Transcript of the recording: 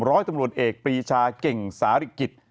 ร้อยตำรวจเอกปรีชาเก่งสาริกิจ